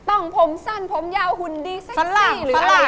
ต่องผมสั้นผมยาวหุ่นดีเส็ขซี่หรืออะไร